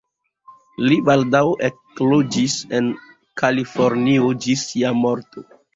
Li baldaŭ ekloĝis en Kalifornio ĝis sia morto.